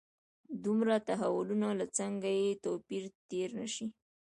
دومره تحولونو له څنګه بې توپیره تېر نه شي.